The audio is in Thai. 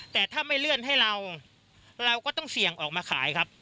แต่ถ้าไม่เลื่อนให้เราเราก็ต้องเสี่ยงออกมาขายครับ